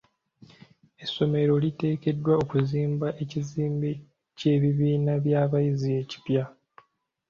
Essomero liteekeddwa okuzimba ekizimbe ky'ebibiina by'abayizi ekipya.